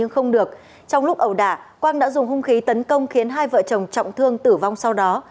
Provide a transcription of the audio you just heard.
không được trong lúc ẩu đả quang đã dùng hung khí tấn công khiến hai vợ chồng trọng thương tử vong sau đó